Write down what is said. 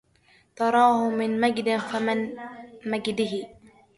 تراهُ من مَجدٍ فَمِن مَجدِه